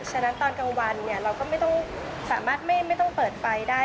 ฉะนั้นตอนกลางวันเราก็ไม่ต้องสามารถไม่ต้องเปิดไฟได้